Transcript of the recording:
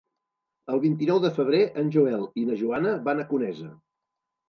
El vint-i-nou de febrer en Joel i na Joana van a Conesa.